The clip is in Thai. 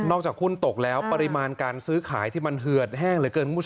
นอกจากหุ้นตกแล้วปริมาณการซื้อขายที่มันเหือดแห้งเลย